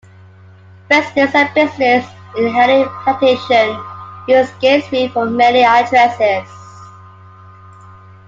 Residents and business in Haile Plantation use Gainesville for mailing addresses.